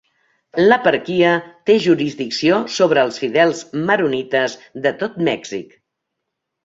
L'eparquia té jurisdicció sobre els fidels maronites de tot Mèxic.